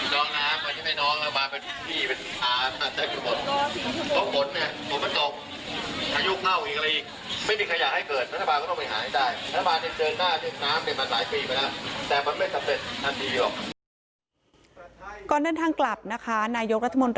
น้องน้ำวันนี้ไอ้น้องน้องบานเป็นพี่เป็นอาหารอาจจะอยู่บน